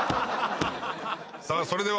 さあそれでは。